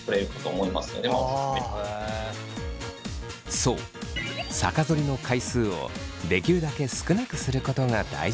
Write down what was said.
そう逆ぞりの回数をできるだけ少なくすることが大事だそう。